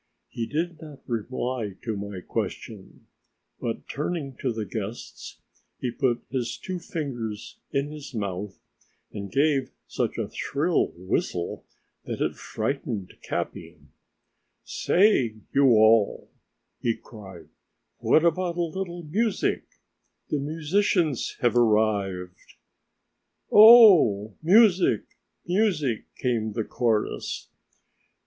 He did not reply to my question, but turning to the guests, he put his two fingers in his mouth and gave such a shrill whistle that it frightened Capi. "Say, you all," he cried, "what about a little music; the musicians have arrived." "Oh, music! music!" came the chorus.